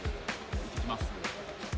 いってきます。